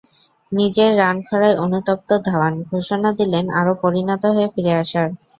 নিজের রানখরায় অনুতপ্ত ধাওয়ান, ঘোষণা দিলেন আরও পরিণত হয়ে ফিরে আসার।